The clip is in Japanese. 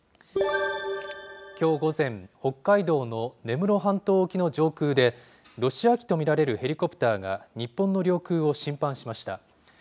きょう午前、北海道の根室半島沖の上空で、ロシア機と見られるヘリコプターが、日本の領空を侵犯しました。